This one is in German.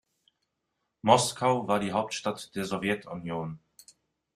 Moskau war die Hauptstadt der Sowjetunion.